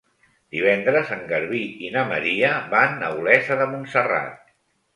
Divendres en Garbí i na Maria van a Olesa de Montserrat.